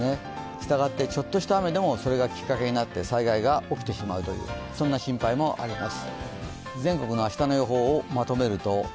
したがって、ちょっとした雨でもそれがきっかけになって災害が起きてしまうという心配もあります。